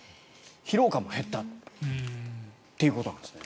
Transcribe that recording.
疲労感も減ったということなんですね。